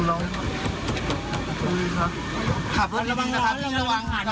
ขอโทษน้องอ้ำเปิดได้ตรงทางที่ไหนคะเปิดได้เปิดได้เปิดได้